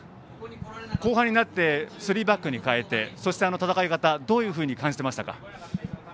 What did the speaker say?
後半になってスリーバックに変えてそして、あの戦い方どういうふうに感じていましたか。